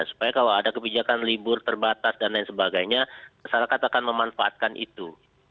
supaya kalau ada kebijakan libur terbatas dan lain sebagainya masyarakat akan memanfaatkan itu